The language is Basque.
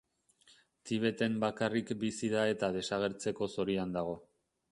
Tibeten bakarrik bizi da eta desagertzeko zorian dago.